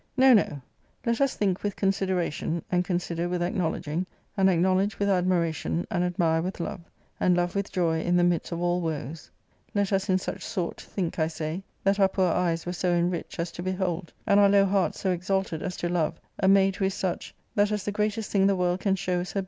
) No, no, let us think \ with consideration, and consider with acknowledging, and acknowledge with admiration, and admire with love, and iove with joy in the midst of all woes ; let us in such sort think, I say, that our poor eyes were so enriched as to behold, and our low hearts so exalted as to love,(a maid who ' is such, that as the greatest thing the world can show is her.